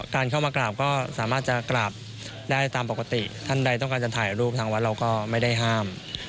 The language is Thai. การเข้ามากราบก็สามารถจะกราบได้ตามปกติท่านใดต้องการจะถ่ายรูปทางวัดเราก็ไม่ได้ห้าม